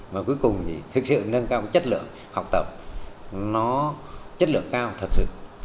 và cuối cùng thì thực sự nâng cao chất lượng học tập nó chất lượng cao thật sự